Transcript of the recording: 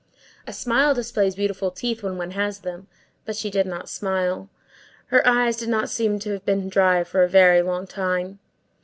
A smile displays beautiful teeth when one has them; but she did not smile. Her eyes did not seem to have been dry for a very long time.